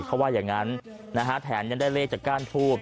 เขาว่าอย่างนั้นนะฮะแถมยังได้เลขจากก้านทูบ